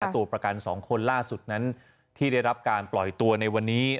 ตัวประกัน๒คนล่าสุดนั้นที่ได้รับการปล่อยตัวในวันนี้